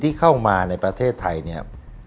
ที่เข้ามาในประเทศไทย